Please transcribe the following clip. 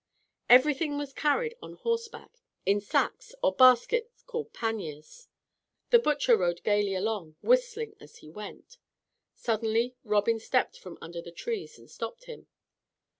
Everything was carried on horseback, in sacks or baskets called panniers. The butcher rode gaily along, whistling as he went. Suddenly Robin stepped from under the trees and stopped him.